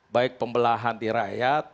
baik pembelahan di rakyat